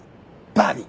バディ！